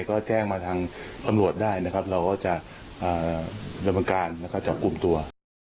ใครก็แจ้งมาทางอำรวตได้เราก็จะระบังการกลุ่มตัว